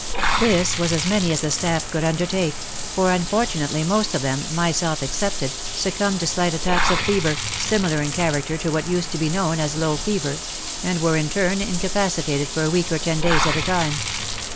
This was as many as the staff could undertake, for un fortunately most of them — myself excepted — succumbed to slight attacks of fever, similar in character to what used to be known as low fever, and were in turn incapacitated for a week or ten days at a time.